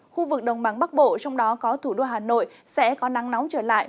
khu vực đồng bằng bắc bộ trong đó có thủ đô hà nội sẽ có nắng nóng trở lại